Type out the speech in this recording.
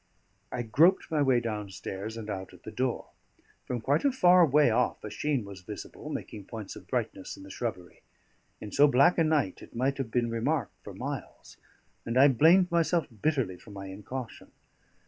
I groped my way downstairs, and out at the door. From quite a far way off a sheen was visible, making points of brightness in the shrubbery; in so black a night it might have been remarked for miles; and I blamed myself bitterly for my incaution.